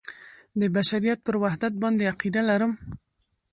د بشریت پر وحدت باندې عقیده لرم.